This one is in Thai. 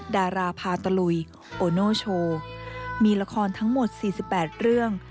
ดาราพาตะลุยโอโนโชว์มีละครทั้งหมด๔๘เรื่อง